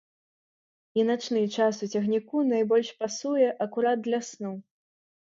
І начны час у цягніку найбольш пасуе акурат для сну.